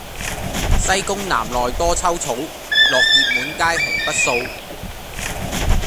西宮南內多秋草，落葉滿階紅不掃。